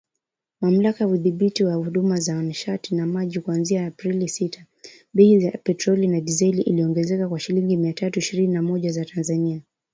Mamlaka ya Udhibiti wa Huduma za Nishati na Maji kuanzia Aprili sita, bei ya petroli na dizeli iliongezeka kwa shilingi mia tatu ishirini na moja za Tanzania